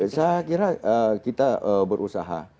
saya kira kita berusaha